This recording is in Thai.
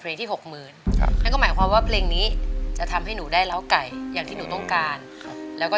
เพราะเพลงต่อไปเป็นเพลงที่๔แล้วค่ะ